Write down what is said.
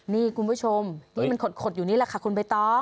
นี่คุณผู้ชมที่มันขดอยู่นี่แหละค่ะคุณใบตอง